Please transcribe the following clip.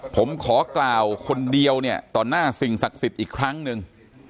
ผมขอกล่าวคนเดียวเนี่ยต่อหน้าสิ่งศักดิ์สิทธิ์อีกครั้งหนึ่ง